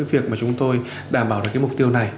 việc mà chúng tôi đảm bảo được cái mục tiêu này